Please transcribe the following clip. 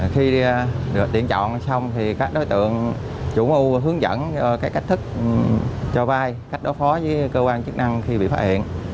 khi tiện chọn xong các đối tượng chủ mưu hướng dẫn cách thức cho vay cách đối phó với cơ quan chức năng khi bị phá hiện